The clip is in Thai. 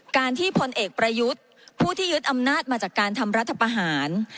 การที่พลเอกประยุทธ์ผู้ที่ยึดอำนาจมาจากการทำรัฐประหาร